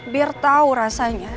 biar tau rasanya